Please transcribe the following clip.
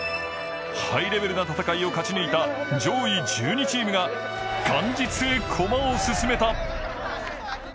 ハイレベルな戦いを勝ち抜いた上位１２チームが元日へ駒を進めた。